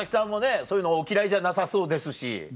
そういうのお嫌いじゃなさそうですし。